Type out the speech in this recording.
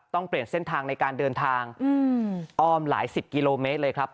เปลี่ยนเส้นทางในการเดินทางอ้อมหลายสิบกิโลเมตรเลยครับ